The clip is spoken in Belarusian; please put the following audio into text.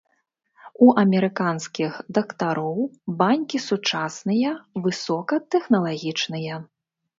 У амерыканскіх дактароў банькі сучасныя, высокатэхналагічныя.